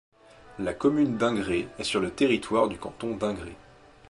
La commune d'Ingré est sur le territoire du canton d'Ingré.